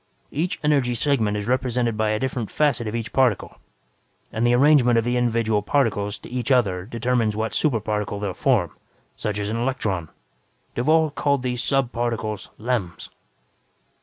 Each energy segment is represented by a different facet of each particle, and the arrangement of the individual particles to each other determines what super particle they will form, such as an electron. Duvall called these sub particles 'lems'.